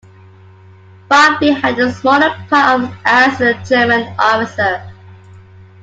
Bonvi had a small part as a German officer.